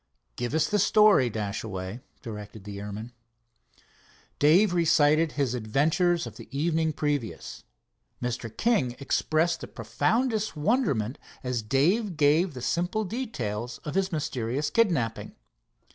"Give us the story, Dashaway," directed the airman. Dave recited his adventures of the evening previous. Mr. King expressed the profoundest wonderment as Dave gave the simple details of his mysterious kidnapping.